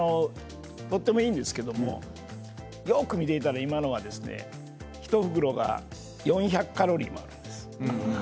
とてもいいんですけどよく見ていたら今のは１袋が４００カロリーもあるんです。